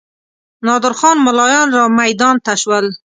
نادر خان ملایان رامیدان ته شول.